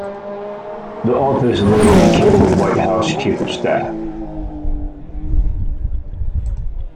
The office later became the White House Chief of Staff.